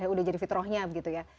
udah jadi fitrohnya begitu ya